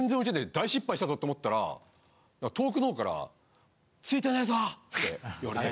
大失敗したぞと思ったら遠くのほうから「ついてねぞ！」って言われて。